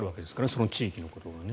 その地域のことはね。